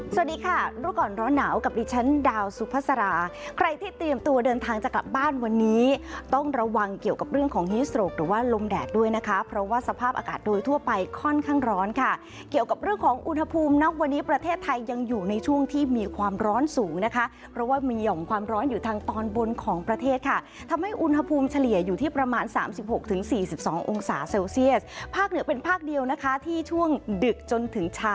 สวัสดีค่ะรุ่นก่อนร้อนหนาวกับดิฉันดาวสุพษราใครที่เตรียมตัวเดินทางจากกลับบ้านวันนี้ต้องระวังเกี่ยวกับเรื่องของฮีสโตรกหรือว่าลมแดดด้วยนะคะเพราะว่าสภาพอากาศโดยทั่วไปค่อนข้างร้อนค่ะเกี่ยวกับเรื่องของอุณหภูมินอกวันนี้ประเทศไทยยังอยู่ในช่วงที่มีความร้อนสูงนะคะเพราะว่ามีหย่อม